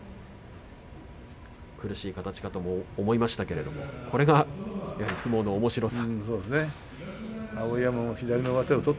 苦しい形かとも思いましたけれどもこれがやはり相撲のおもしろさ。